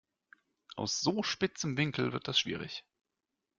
Aus so spitzem Winkel wird das schwierig.